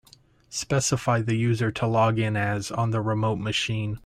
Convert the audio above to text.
Specify the user to log in as on the remote machine.